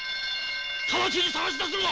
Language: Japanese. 直ちに捜し出すぞ！